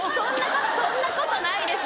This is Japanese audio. そんなことないです！